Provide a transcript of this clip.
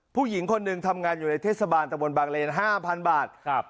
ผู้หญิงคนหนึ่งทำงานอยู่ในเทศบาลตะบนบางเลนห้าพันบาทครับ